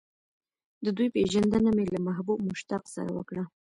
د دوی پېژندنه مې له محبوب مشتاق سره وکړه.